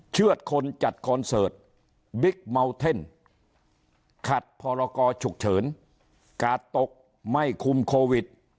เชื่อดคนจัดคอนเสิร์ตบิ๊กเมาเท่นขัดพรกรฉุกเฉินกาดตกไม่คุมโควิด